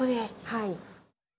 はい。